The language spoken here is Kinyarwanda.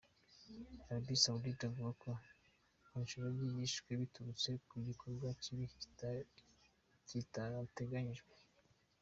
Arabie Saoudite ivuga ko Khashoggi yishwe biturutse ku "gikorwa kibi kitateganyijwe".